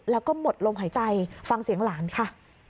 แล้วก็หมดลมหายใจฟังเสียงหลานค่ะ